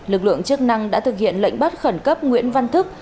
lực lượng chức năng đã thực hiện lệnh bắt khẩn cấp nguyễn văn thức